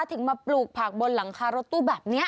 ถึงมาปลูกผักบนหลังคารถตู้แบบนี้